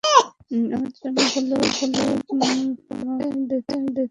অন্তত, আমার জন্য হলেও তোমাকে বেঁচে থাকতে হবে!